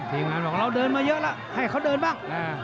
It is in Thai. ทีมงานบอกเราเดินมาเยอะแล้วให้เขาเดินบ้าง